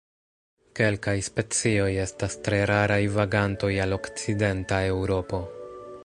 Kelkaj specioj estas tre raraj vagantoj al okcidenta Eŭropo.